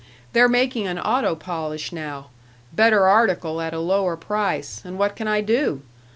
They're making an auto polish now better article at a lower price and what can I do?